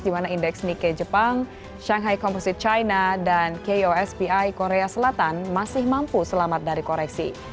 di mana indeks nike jepang shanghai komposite china dan kospi korea selatan masih mampu selamat dari koreksi